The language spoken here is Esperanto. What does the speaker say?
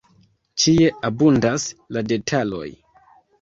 Ĉie abundas la detaloj.